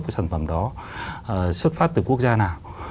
cái sản phẩm đó xuất phát từ quốc gia nào